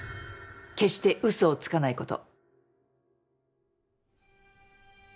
決してうそをつかないこと。